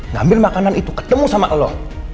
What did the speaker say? ngambil makanan itu ketemu sama allah